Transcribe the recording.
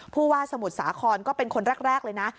ผู้ว่าสมุทรสาครก็เป็นคนแรกเลยนะ